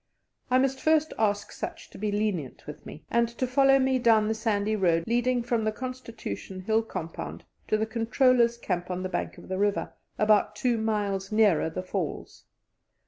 I must first ask such to be lenient with me, and to follow me down the sandy road leading from the Constitution Hill Compound to the Controller's Camp on the bank of the river, about two miles nearer the Falls.